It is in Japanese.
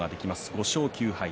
５勝９敗。